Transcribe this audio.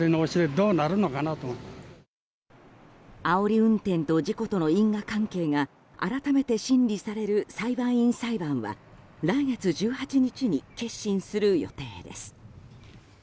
あおり運転と事故との因果関係が改めて審理される裁判員裁判は来月１８日に結審する予定です。